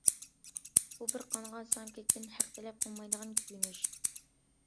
بۇ بىر قانغا سىڭىپ كەتكەن، ھەق تەلەپ قىلمايدىغان كۆيۈنۈش.